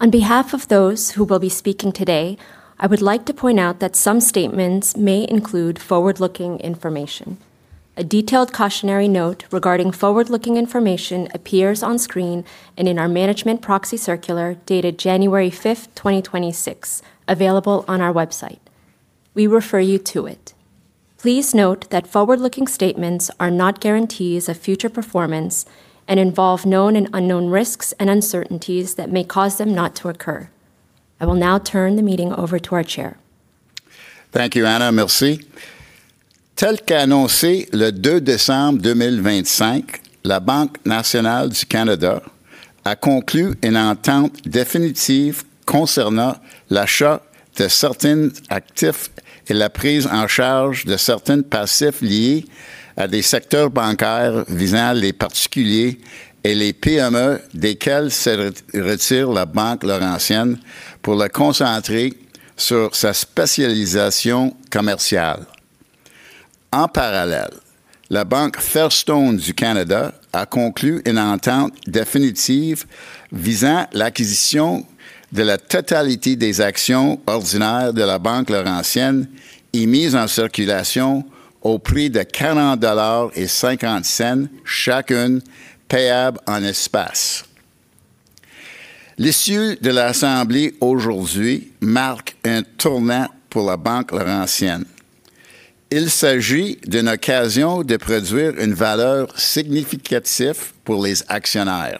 On behalf of those who will be speaking today, I would like to point out that some statements may include forward-looking information. A detailed cautionary note regarding forward-looking information appears on screen and in our management proxy circular, dated January 5, 2026, available on our website. We refer you to it. Please note that forward-looking statements are not guarantees of future performance and involve known and unknown risks and uncertainties that may cause them not to occur. I will now turn the meeting over to our Chair. Thank you, Anna. Merci. Tel qu'annoncé le 2 décembre 2025, la Banque Nationale du Canada a conclu une entente définitive concernant l'achat de certains actifs et la prise en charge de certains passifs liés à des secteurs bancaires visant les particuliers et les PME desquels se retire la Banque Laurentienne pour se concentrer sur sa spécialisation commerciale. En parallèle, la Banque Fairstone du Canada a conclu une entente définitive visant l'acquisition de la totalité des actions ordinaires de la Banque Laurentienne émises en circulation au prix de 40,50 $ chacune, payable en espèces. L'issue de l'assemblée aujourd'hui marque un tournant pour la Banque Laurentienne. Il s'agit d'une occasion de produire une valeur significative pour les actionnaires.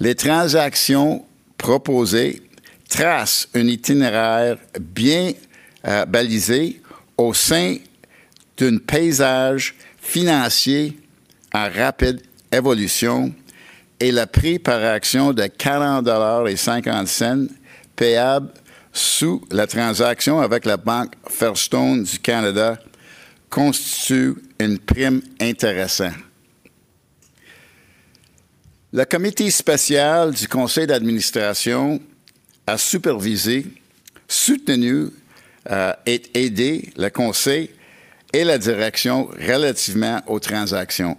Les transactions proposées tracent un itinéraire bien balisé au sein d'un paysage financier en rapide évolution et le prix par action de 40,50 $, payable sous la transaction avec la Banque Fairstone du Canada, constitue une prime intéressante. Le comité spécial du conseil d'administration a supervisé, soutenu et aidé le conseil et la direction relativement aux transactions.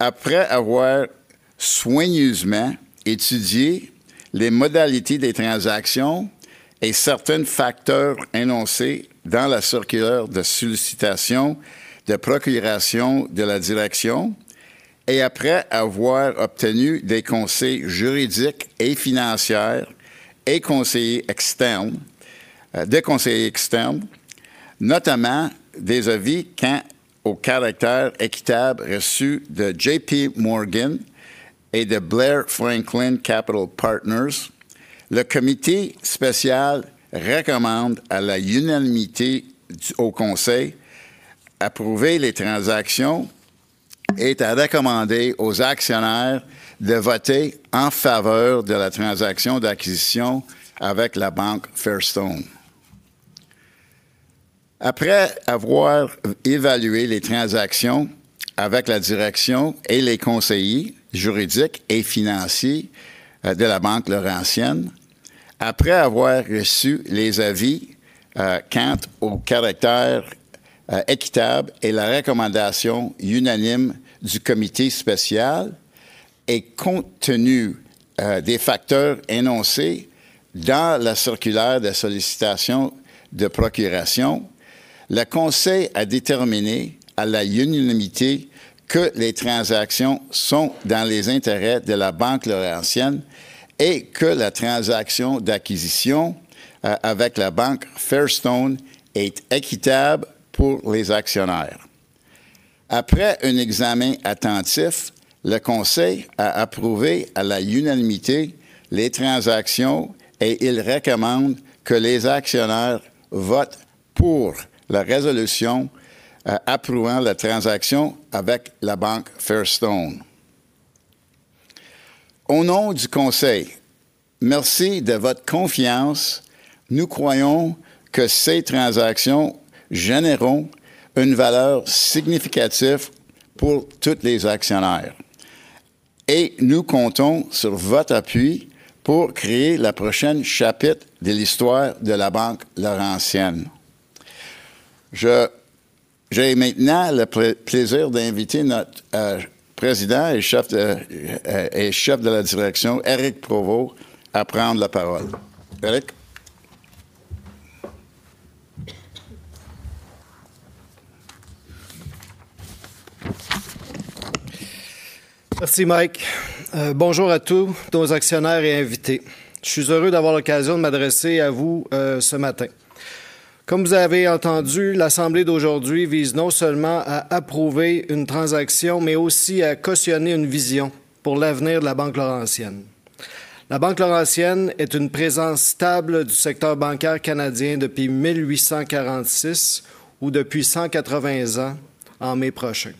Après avoir soigneusement étudié les modalités des transactions et certains facteurs énoncés dans la circulaire de sollicitation de procuration de la direction, et après avoir obtenu des conseils juridiques et financiers de conseillers externes, notamment des avis quant au caractère équitable reçus de JP Morgan et de Blair Franklin Capital Partners, le comité spécial recommande à l'unanimité au conseil d'approuver les transactions et de recommander aux actionnaires de voter en faveur de la transaction d'acquisition avec la Banque Fairstone. Après avoir évalué les transactions avec la direction et les conseillers juridiques et financiers de la Banque Laurentienne, après avoir reçu les avis quant au caractère équitable et la recommandation unanime du comité spécial et compte tenu des facteurs énoncés dans la circulaire de sollicitation de procuration, le conseil a déterminé à l'unanimité que les transactions sont dans les intérêts de la Banque Laurentienne et que la transaction d'acquisition avec la Banque Fairstone est équitable pour les actionnaires. Après un examen attentif, le conseil a approuvé à l'unanimité les transactions et il recommande que les actionnaires votent pour la résolution approuvant la transaction avec la Banque Fairstone. Au nom du conseil, merci de votre confiance. Nous croyons que ces transactions généreront une valeur significative pour tous les actionnaires et nous comptons sur votre appui pour créer le prochain chapitre de l'histoire de la Banque Laurentienne. J'ai maintenant le plaisir d'inviter notre président et chef de la direction, Eric Provost, à prendre la parole. Eric? Merci Mike. Bonjour à tous nos actionnaires et invités. Je suis heureux d'avoir l'occasion de m'adresser à vous ce matin. Comme vous avez entendu, l'assemblée d'aujourd'hui vise non seulement à approuver une transaction, mais aussi à cautionner une vision pour l'avenir de la Banque Laurentienne. La Banque Laurentienne est une présence stable du secteur bancaire canadien depuis 1846 ou depuis 180 ans, en mai prochain.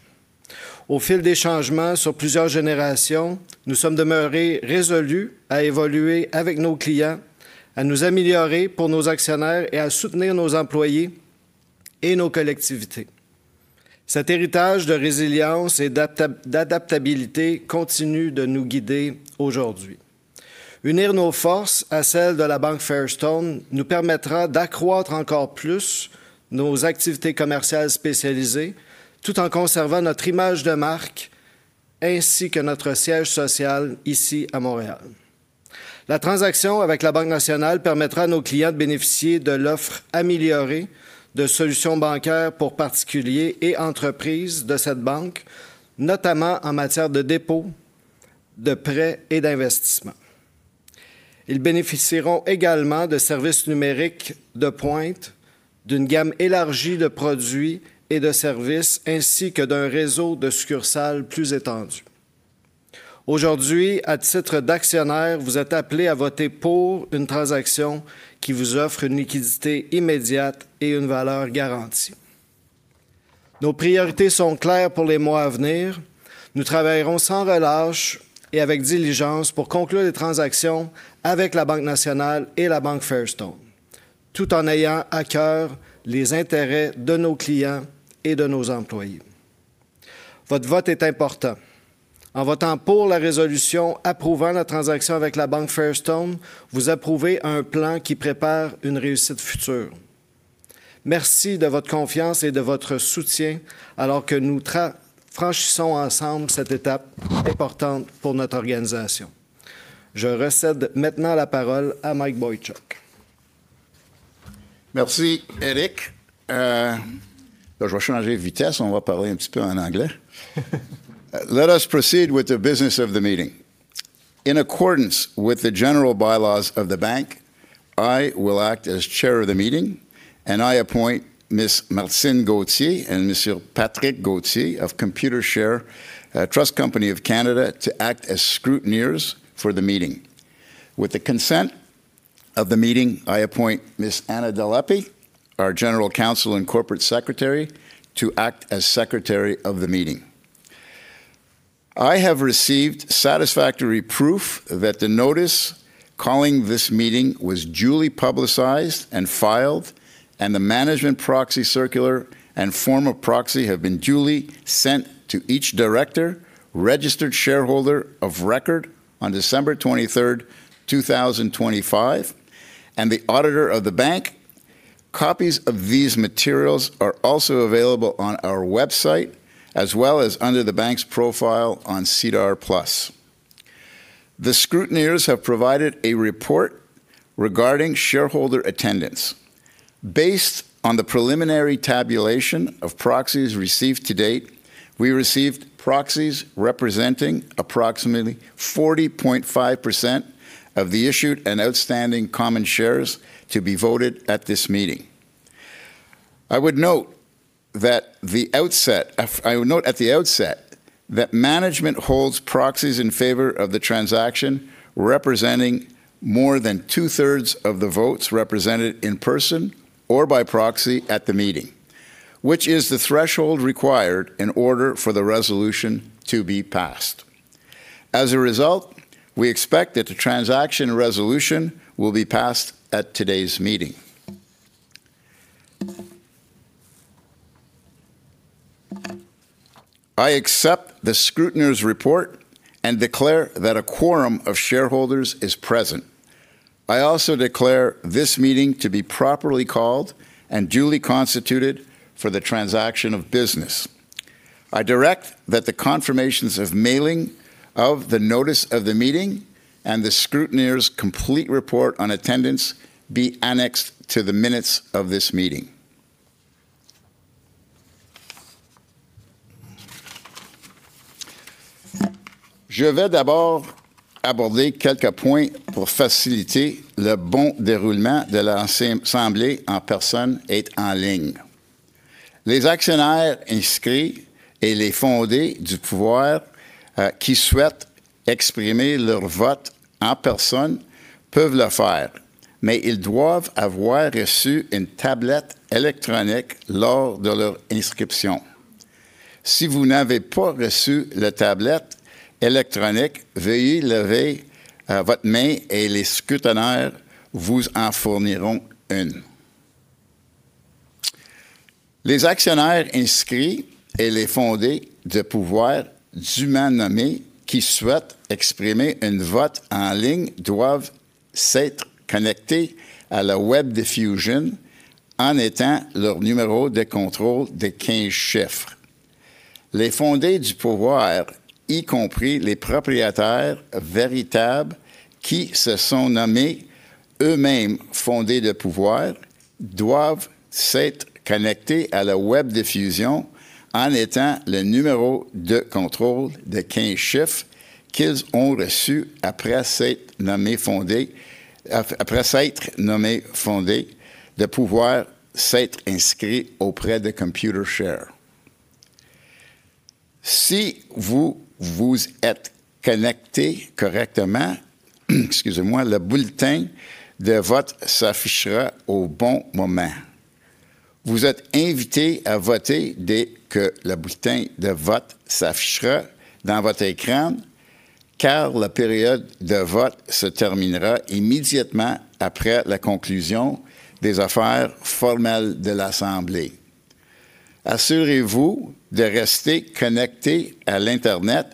Au fil des changements sur plusieurs générations, nous sommes demeurés résolus à évoluer avec nos clients, à nous améliorer pour nos actionnaires et à soutenir nos employés et nos collectivités. Cet héritage de résilience et d'adaptabilité continue de nous guider aujourd'hui. Unir nos forces à celles de la banque Fairstone nous permettra d'accroître encore plus nos activités commerciales spécialisées, tout en conservant notre image de marque ainsi que notre siège social, ici, à Montréal. La transaction avec la Banque Nationale permettra à nos clients de bénéficier de l'offre améliorée de solutions bancaires pour particuliers et entreprises de cette banque, notamment en matière de dépôt, de prêts et d'investissements. Ils bénéficieront également de services numériques de pointe, d'une gamme élargie de produits et de services, ainsi que d'un réseau de succursales plus étendu. Aujourd'hui, à titre d'actionnaire, vous êtes appelé à voter pour une transaction qui vous offre une liquidité immédiate et une valeur garantie. Nos priorités sont claires pour les mois à venir. Nous travaillerons sans relâche et avec diligence pour conclure les transactions avec la Banque Nationale et la Banque Fairstone, tout en ayant à cœur les intérêts de nos clients et de nos employés. Votre vote est important. En votant pour la résolution approuvant la transaction avec la Banque Fairstone, vous approuvez un plan qui prépare une réussite future. Merci de votre confiance et de votre soutien alors que nous franchissons ensemble cette étape importante pour notre organisation. Je cède maintenant la parole à Mike Boychuk. Merci Eric. Euh, je vais changer de vitesse. On va parler un petit peu en anglais. Let us proceed with the business of the meeting. In accordance with the general bylaws of the bank, I will act as chair of the meeting, and I appoint Miss Marcin Gauthier and Monsieur Patrick Gauthier of Computer Share, Trust Company of Canada, to act as scrutineers for the meeting. With the consent of the meeting, I appoint Miss Anna Delepy, our General Counsel and Corporate Secretary, to act as secretary of the meeting. I have received satisfactory proof that the notice calling this meeting was duly publicized and filed, and the management proxy circular and form of proxy have been duly sent to each director, registered shareholder of record on December 23rd, 2025, and the auditor of the bank. Copies of these materials are also available on our website, as well as under the bank's profile on SEDAR Plus. The scrutineers have provided a report regarding shareholder attendance. Based on the preliminary tabulation of proxies received to date, we received proxies representing approximately 40.5% of the issued and outstanding common shares to be voted at this meeting. I would note at the outset that management holds proxies in favor of the transaction, representing more than two-thirds of the votes represented in person or by proxy at the meeting, which is the threshold required in order for the resolution to be passed. As a result, we expect that the transaction resolution will be passed at today's meeting. I accept the scrutineer's report and declare that a quorum of shareholders is present. I also declare this meeting to be properly called and duly constituted for the transaction of business. I direct that the confirmations of mailing of the notice of the meeting and the scrutineer's complete report on attendance be annexed to the minutes of this meeting. Je vais d'abord aborder quelques points pour faciliter le bon déroulement de l'assemblée en personne et en ligne. Les actionnaires inscrits et les fondés de pouvoir qui souhaitent exprimer leur vote en personne peuvent le faire, mais ils doivent avoir reçu une tablette électronique lors de leur inscription. Si vous n'avez pas reçu la tablette électronique, veuillez lever votre main et les scrutateurs vous en fourniront une. Les actionnaires inscrits et les fondés de pouvoir dûment nommés qui souhaitent exprimer un vote en ligne doivent s'être connectés à la webdiffusion en utilisant leur numéro de contrôle de quinze chiffres. Les fondés de pouvoir, y compris les propriétaires véritables qui se sont nommés eux-mêmes fondés de pouvoir, doivent s'être connectés à la diffusion web en utilisant le numéro de contrôle de quinze chiffres qu'ils ont reçu après s'être inscrits auprès de Computershare. Si vous vous êtes connecté correctement, le bulletin de vote s'affichera au bon moment. Vous êtes invité à voter dès que le bulletin de vote s'affichera sur votre écran, car la période de vote se terminera immédiatement après la conclusion des affaires formelles de l'assemblée. Assurez-vous de rester connecté à Internet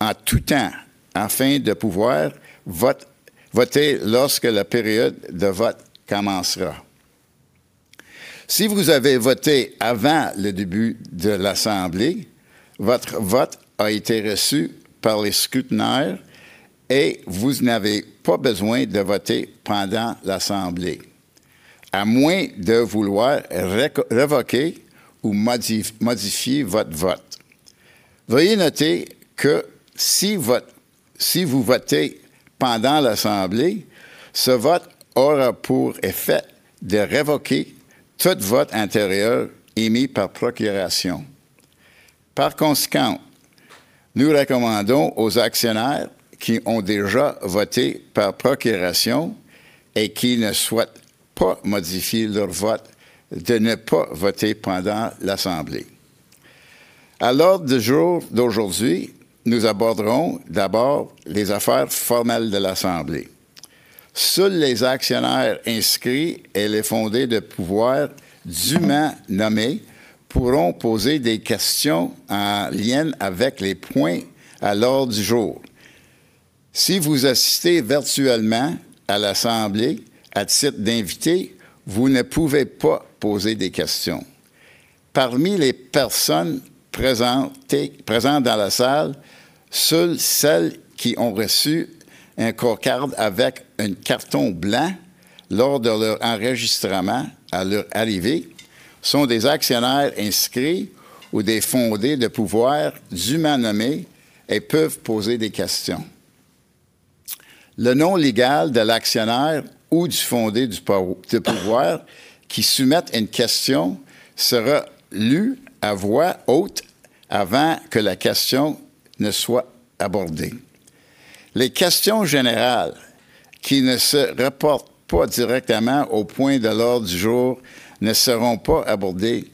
en tout temps, afin de pouvoir voter lorsque la période de vote commencera. Si vous avez voté avant le début de l'assemblée, votre vote a été reçu par les scrutateurs et vous n'avez pas besoin de voter pendant l'assemblée, à moins de vouloir révoquer ou modifier votre vote. Veuillez noter que si vous votez pendant l'assemblée, ce vote aura pour effet de révoquer tout vote antérieur émis par procuration. Par conséquent, nous recommandons aux actionnaires qui ont déjà voté par procuration et qui ne souhaitent pas modifier leur vote, de ne pas voter pendant l'assemblée. À l'ordre du jour d'aujourd'hui, nous aborderons d'abord les affaires formelles de l'assemblée. Seuls les actionnaires inscrits et les fondés de pouvoir dûment nommés pourront poser des questions en lien avec les points à l'ordre du jour. Si vous assistez virtuellement à l'assemblée à titre d'invité, vous ne pouvez pas poser des questions. Parmi les personnes présentes dans la salle, seules celles qui ont reçu une pancarte avec un carton blanc lors de leur enregistrement à leur arrivée sont des actionnaires inscrits ou des fondés de pouvoir dûment nommés et peuvent poser des questions. Le nom légal de l'actionnaire ou du fondé de pouvoir qui soumet une question sera lu à voix haute avant que la question ne soit abordée. Les questions générales qui ne se rapportent pas directement au point de l'ordre du jour ne seront pas abordées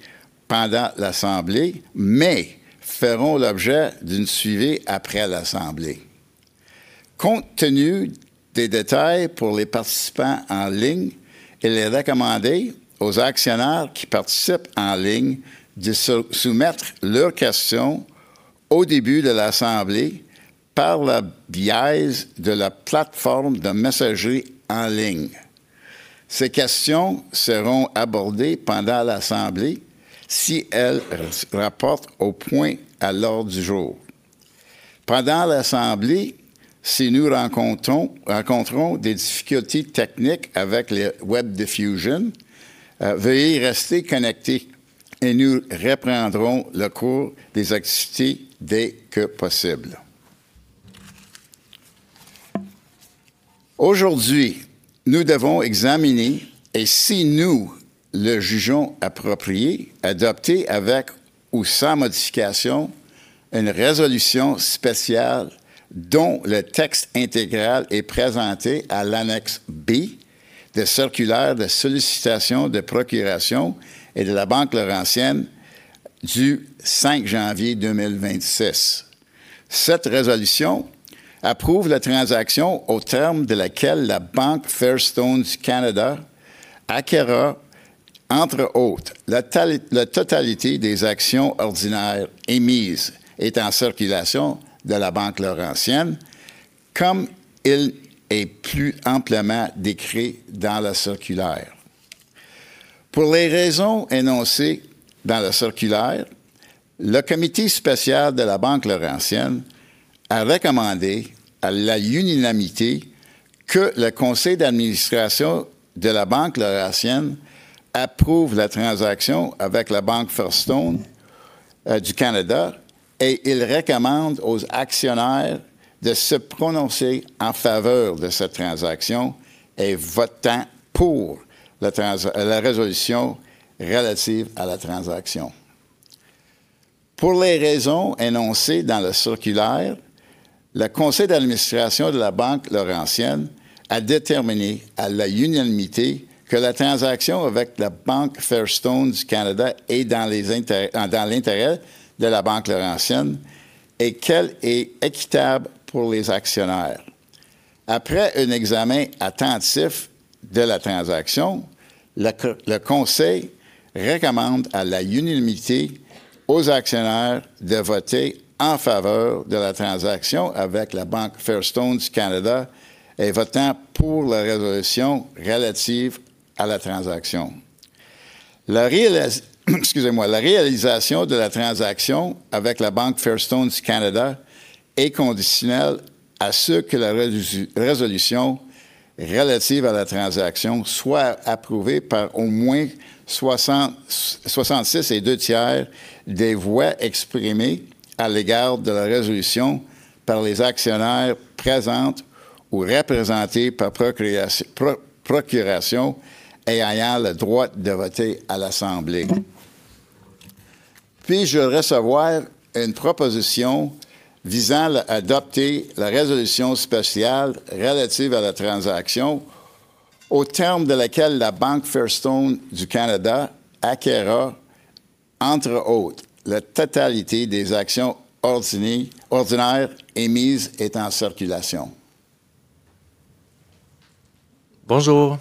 pendant l'assemblée, mais feront l'objet d'un suivi après l'assemblée. Compte tenu des détails pour les participants en ligne, il est recommandé aux actionnaires qui participent en ligne de soumettre leurs questions au début de l'assemblée par le biais de la plateforme de messagerie en ligne. Ces questions seront abordées pendant l'assemblée si elles se rapportent au point à l'ordre du jour. Pendant l'assemblée, si nous rencontrons des difficultés techniques avec les diffusions web, veuillez rester connectés et nous reprendrons le cours des activités dès que possible. Aujourd'hui, nous devons examiner et, si nous le jugeons approprié, adopter avec ou sans modification une résolution spéciale dont le texte intégral est présenté à l'annexe B de la circulaire de sollicitation de procuration de la Banque Laurentienne du 5 janvier 2026. Cette résolution approuve la transaction au terme de laquelle la Banque Fairstone du Canada acquerra, entre autres, la totalité des actions ordinaires émises et en circulation de la Banque Laurentienne, comme il est plus amplement décrit dans la circulaire. Pour les raisons énoncées dans la circulaire, le comité spécial de la Banque Laurentienne a recommandé à l'unanimité que le conseil d'administration de la Banque Laurentienne approuve la transaction avec la Banque Fairstone du Canada et il recommande aux actionnaires de se prononcer en faveur de cette transaction en votant pour la résolution relative à la transaction. Pour les raisons énoncées dans la circulaire, le conseil d'administration de la Banque Laurentienne a déterminé à l'unanimité que la transaction avec la Banque Fairstone du Canada est dans l'intérêt de la Banque Laurentienne et qu'elle est équitable pour les actionnaires. Après un examen attentif de la transaction, le Conseil recommande à l'unanimité aux actionnaires de voter en faveur de la transaction avec la Banque Fairstone du Canada en votant pour la résolution relative à la transaction. La réalisation de la transaction avec la Banque Fairstone du Canada est conditionnelle à ce que la résolution relative à la transaction soit approuvée par au moins soixante-six et deux tiers des voix exprimées à l'égard de la résolution par les actionnaires présents ou représentés par procuration, ayant le droit de voter à l'assemblée. Puis-je recevoir une proposition visant à adopter la résolution spéciale relative à la transaction, au terme de laquelle la Banque Fairstone du Canada acquerra, entre autres, la totalité des actions ordinaires, émises et en circulation? Bonjour,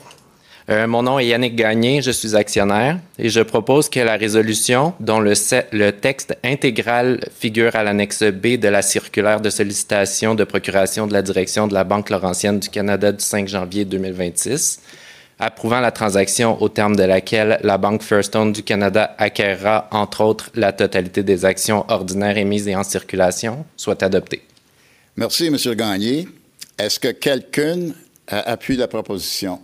mon nom est Yannick Gagné, je suis actionnaire et je propose que la résolution, dont le texte intégral figure à l'annexe B de la circulaire de sollicitation de procuration de la direction de la Banque Laurentienne du Canada du 5 janvier 2026, approuvant la transaction au terme de laquelle la Banque Fairstone du Canada acquerra, entre autres, la totalité des actions ordinaires émises et en circulation, soit adoptée. Merci, monsieur Gagné. Est-ce que quelqu'un appuie la proposition?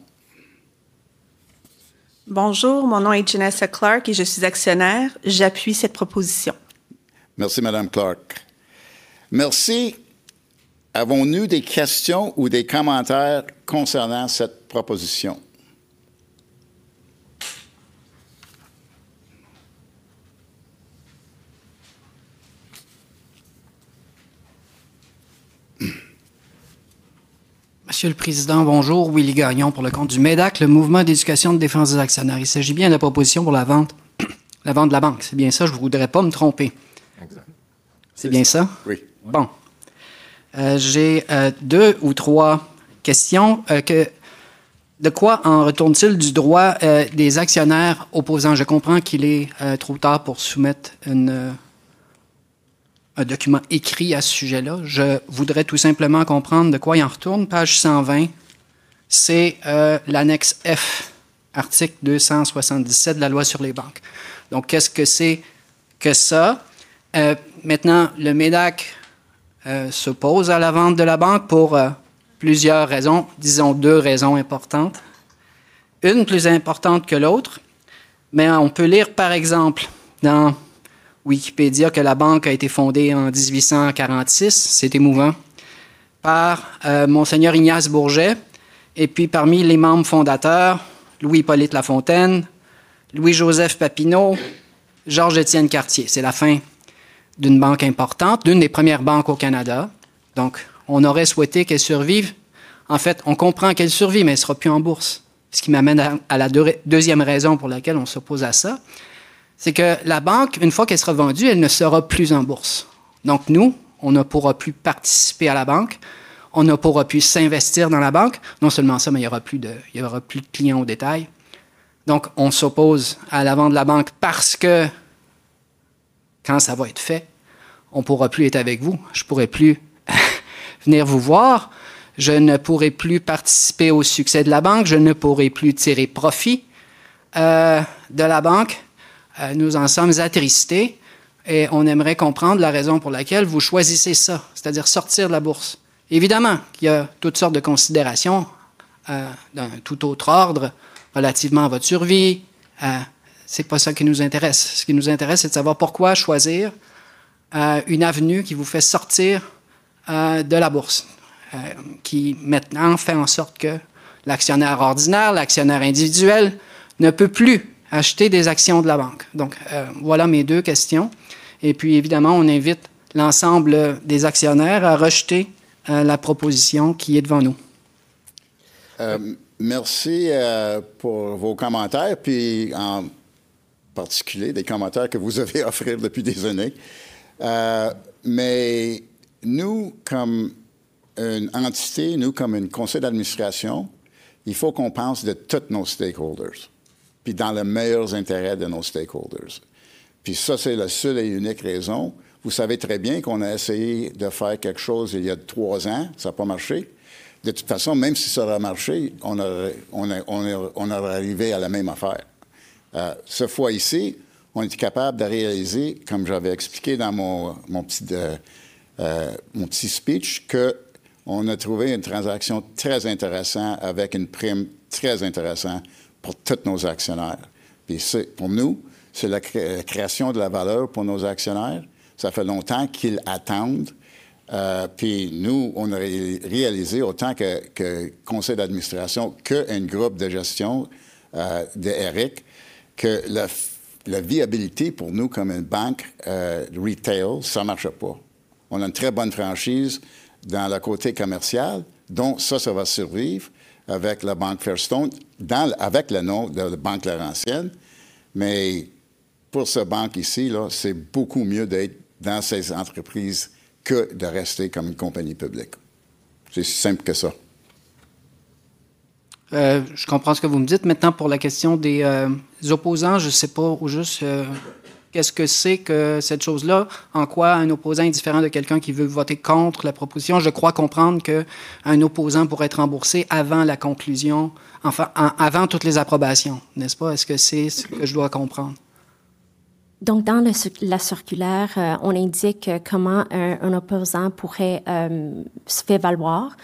Bonjour, mon nom est Janessa Clark et je suis actionnaire. J'appuie cette proposition. Merci, madame Clark. Merci. Avons-nous des questions ou des commentaires concernant cette proposition? Monsieur le Président, bonjour. Willy Gagnon, pour le compte du MEDAC, le Mouvement d'éducation de défense des actionnaires. Il s'agit bien de la proposition pour la vente, la vente de la banque. C'est bien ça, je ne voudrais pas me tromper. Exact. C'est bien ça? Oui. Bon. J'ai deux ou trois questions que de quoi en retourne-t-il du droit des actionnaires opposants? Je comprends qu'il est trop tard pour soumettre un document écrit à ce sujet-là. Je voudrais tout simplement comprendre de quoi il en retourne. Page 120, c'est l'annexe F, article 277 de la Loi sur les banques. Donc, qu'est-ce que c'est que ça? Maintenant, le MEDAC s'oppose à la vente de la banque pour plusieurs raisons, disons deux raisons importantes, une plus importante que l'autre. Mais on peut lire, par exemple, dans Wikipédia, que la banque a été fondée en 1846, c'est émouvant, par Monseigneur Ignace Bourget. Et puis, parmi les membres fondateurs, Louis-Hyppolite Lafontaine, Louis-Joseph Papineau, George-Étienne Cartier. C'est la fin d'une banque importante, l'une des premières banques au Canada. Donc, on aurait souhaité qu'elle survive. En fait, on comprend qu'elle survit, mais elle ne sera plus en bourse. Ce qui m'amène à la deuxième raison pour laquelle on s'oppose à ça, c'est que la banque, une fois qu'elle sera vendue, elle ne sera plus en bourse. Donc nous, on ne pourra plus participer à la banque, on ne pourra plus s'investir dans la banque. Non seulement ça, mais il n'y aura plus de, il y aura plus de clients au détail. Donc, on s'oppose à la vente de la banque parce que quand ça va être fait, on ne pourra plus être avec vous. Je ne pourrai plus venir vous voir. Je ne pourrai plus participer au succès de la banque. Je ne pourrai plus tirer profit de la banque. Nous en sommes attristés et on aimerait comprendre la raison pour laquelle vous choisissez ça, c'est-à-dire sortir de la bourse. Évidemment, qu'il y a toutes sortes de considérations d'un tout autre ordre relativement à votre survie. Ce n'est pas ça qui nous intéresse. Ce qui nous intéresse, c'est de savoir pourquoi choisir une avenue qui vous fait sortir de la bourse, qui maintenant fait en sorte que l'actionnaire ordinaire, l'actionnaire individuel, ne peut plus acheter des actions de la banque. Donc, voilà mes deux questions. Et puis, évidemment, on invite l'ensemble des actionnaires à rejeter la proposition qui est devant nous. Merci pour vos commentaires, puis en particulier, des commentaires que vous avez à offrir depuis des années. Mais nous, comme une entité, nous, comme un conseil d'administration, il faut qu'on pense de tous nos stakeholders, puis dans les meilleurs intérêts de nos stakeholders. Puis ça, c'est la seule et unique raison. Vous savez très bien qu'on a essayé de faire quelque chose il y a trois ans, ça n'a pas marché. De toute façon, même si ça avait marché, on aurait, on est, on est, on aurait arrivé à la même affaire. Cette fois ici, on est capable de réaliser, comme j'avais expliqué dans mon petit speech, qu'on a trouvé une transaction très intéressante, avec une prime très intéressante pour tous nos actionnaires. Pour nous, c'est la création de la valeur pour nos actionnaires. Ça fait longtemps qu'ils attendent. Puis nous, on a réalisé autant que conseil d'administration que groupe de gestion de Eric, que la viabilité pour nous comme une banque retail, ça ne marche pas. On a une très bonne franchise dans le côté commercial, donc ça, ça va survivre avec la banque Fairstone, avec le nom de la Banque Laurentienne. Mais pour cette banque ici, c'est beaucoup mieux d'être dans ces entreprises que de rester comme une compagnie publique. C'est simple que ça. Je comprends ce que vous me dites. Maintenant, pour la question des opposants, je ne sais pas au juste qu'est-ce que c'est que cette chose-là? En quoi un opposant est différent de quelqu'un qui veut voter contre la proposition? Je crois comprendre qu'un opposant pourrait être remboursé avant la conclusion, enfin, avant toutes les approbations, n'est-ce pas? Est-ce que c'est ce que je dois comprendre ? Donc, dans la circulaire, on indique comment un opposant pourrait se faire valoir.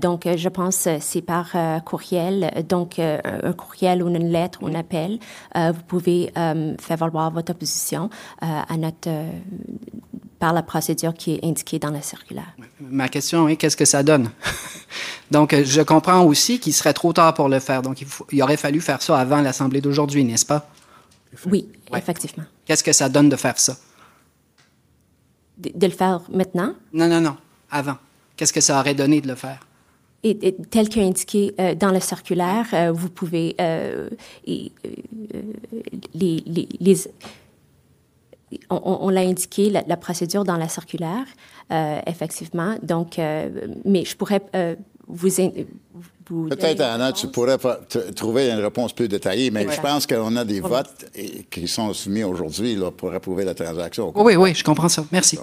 Donc, je pense, c'est par courriel, donc un courriel ou une lettre ou un appel. Vous pouvez faire valoir votre opposition par la procédure qui est indiquée dans la circulaire. Ma question est: qu'est-ce que ça donne? Donc, je comprends aussi qu'il serait trop tard pour le faire. Donc, il aurait fallu faire ça avant l'assemblée d'aujourd'hui, n'est-ce pas ? Oui, effectivement. Qu'est-ce que ça donne de faire ça? De le faire maintenant? Non, non, non, avant. Qu'est-ce que ça aurait donné de le faire? Tel qu'indiqué dans la circulaire, vous pouvez les On l'a indiqué, la procédure dans la circulaire, effectivement. Donc, mais je pourrais vous indiquer, vous- Peut-être, Anna, tu pourrais faire, trouver une réponse plus détaillée, mais je pense qu'on a des votes qui sont soumis aujourd'hui, là, pour approuver la transaction. Oui, oui, je comprends ça. Merci.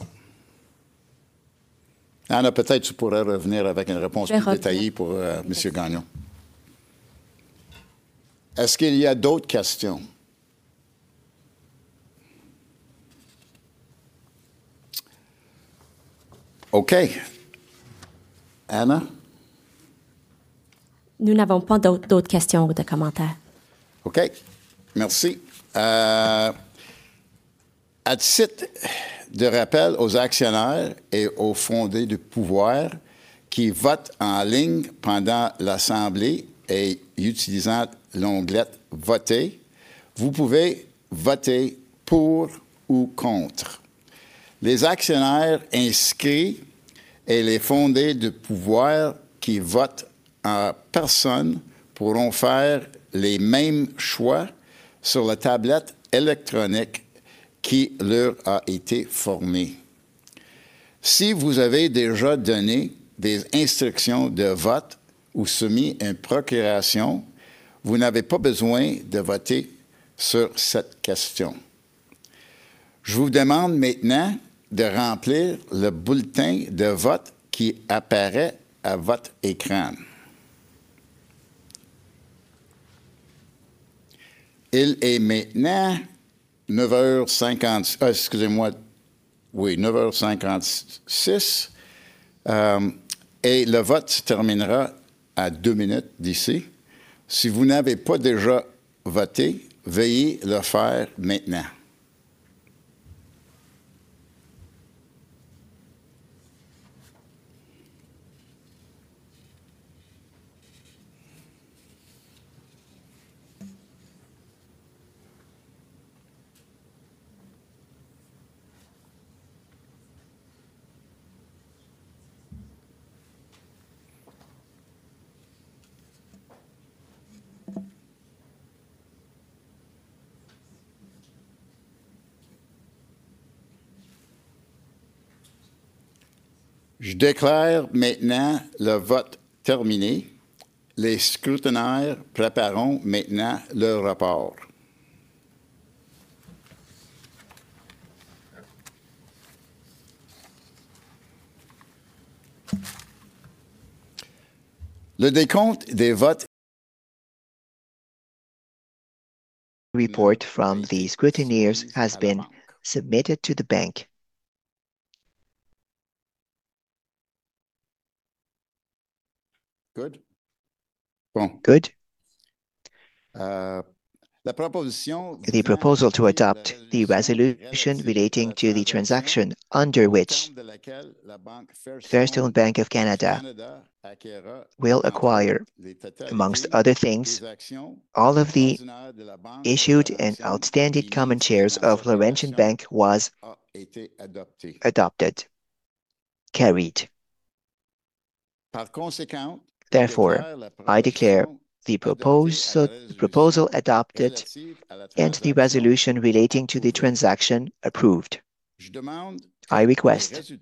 Anna, peut-être tu pourrais revenir avec une réponse plus détaillée pour Monsieur Gagnon. Est-ce qu'il y a d'autres questions? Ok. Anna? Nous n'avons pas d'autres questions ou de commentaires. Ok, merci. À titre de rappel aux actionnaires et aux fondés de pouvoir qui votent en ligne pendant l'assemblée et utilisant l'onglet Voter, vous pouvez voter pour ou contre. Les actionnaires inscrits et les fondés de pouvoir qui votent en personne pourront faire les mêmes choix sur la tablette électronique qui leur a été fournie. Si vous avez déjà donné des instructions de vote ou soumis une procuration, vous n'avez pas besoin de voter sur cette question. Je vous demande maintenant de remplir le bulletin de vote qui apparaît à votre écran. Il est maintenant 9h50, excusez-moi. Oui, 9h56, et le vote se terminera à deux minutes d'ici. Si vous n'avez pas déjà voté, veuillez le faire maintenant. Je déclare maintenant le vote terminé. Les scrutateurs prépareront maintenant leur rapport. Le décompte des votes- Report from the scrutineers has been submitted to the bank. Good. Good. The proposal to adopt the resolution relating to the transaction, under which- La banque Fairstone Bank of Canada will acquire, amongst other things, all of the issued and outstanding common shares of Laurentian Bank. A été adopté Adopted. Carried. Par conséquent Therefore, I declare the proposal adopted and the resolution relating to the transaction approved. I request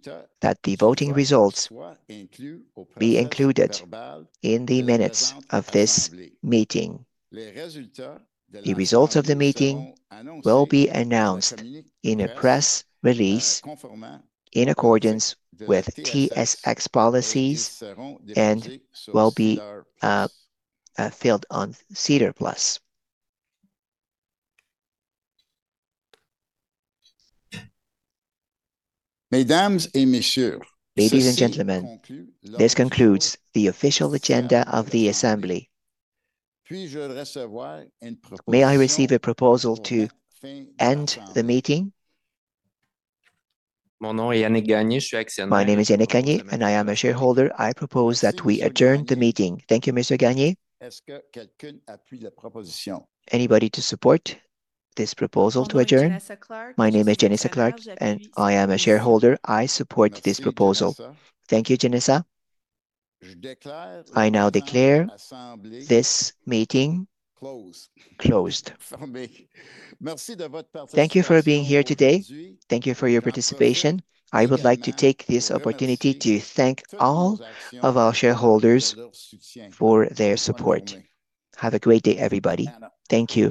that the voting results be included in the minutes of this meeting. Les résultats The results of the meeting will be announced in a press release, in accordance with TSX policies, and will be filed on SEDAR Plus. Mesdames et messieurs. Ladies and gentlemen, this concludes the official agenda of the assembly. Puis-je recevoir une proposition? May I receive a proposal to end the meeting? Mon nom est Yannick Gagné, je suis actionnaire. My name is Yannick Gagné, and I am a shareholder. I propose that we adjourn the meeting. Thank you, Monsieur Gagné. Est-ce que quelqu'un appuie la proposition? Anybody to support this proposal to adjourn? My name is Janessa Clark, and I am a shareholder. I support this proposal. Thank you, Janessa. I now declare this meeting closed. Closed. Thank you for being here today. Thank you for your participation. I would like to take this opportunity to thank all of our shareholders for their support. Have a great day, everybody. Thank you.